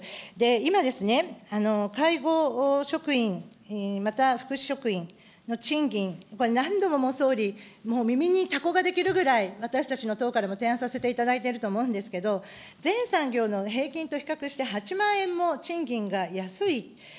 今、介護職員、また福祉職員の賃金、これ何度も、総理、もう耳にたこができるぐらい、私たちの党からも提案させていただいていると思うんですけれども、全産業の平均と比較して８万円も賃金が安い。